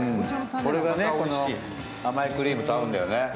これが甘いクリームと合うんだよね。